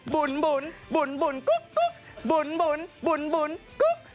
บุ่นบุ่นกุ๊กกุ๊ก